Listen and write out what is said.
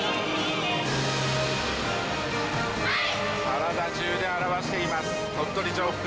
体中で表しています鳥取城北。